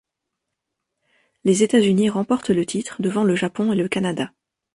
Les États-Unis remportent le titre devant le Japon et le Canada.